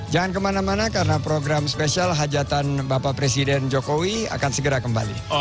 jangan kemana mana karena program spesial hajatan bapak presiden jokowi akan segera kembali